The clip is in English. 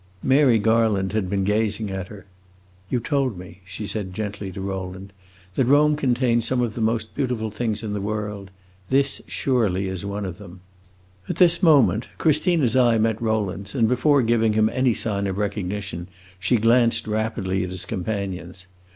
Mary Garland had been gazing at her. "You told me," she said gently, to Rowland, "that Rome contained some of the most beautiful things in the world. This surely is one of them!" At this moment Christina's eye met Rowland's and before giving him any sign of recognition she glanced rapidly at his companions.